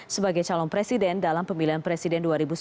sebagai calon presiden dalam pemilihan presiden dua ribu sembilan belas